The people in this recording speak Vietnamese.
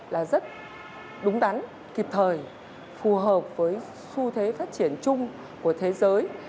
là rất đúng đắn kịp thời phù hợp với xu thế phát triển chung của thế giới